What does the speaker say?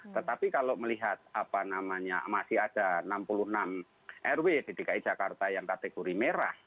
tetapi kalau melihat apa namanya masih ada enam puluh enam rw di dki jakarta yang kategori merah